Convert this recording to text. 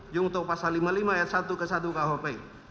jungto pasal lima puluh lima ayat satu ke satu kuhp